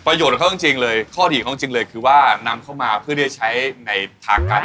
ประโยชน์ของเขาจริงเลยข้อดีของจริงเลยคือว่านำเขามาเพื่อได้ใช้ในทางการ